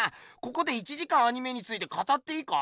ここで１時間アニメについて語っていいか？